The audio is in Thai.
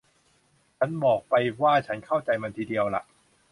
ฉันบอกไปว่าฉันเข้าใจมันดีทีเดียวล่ะ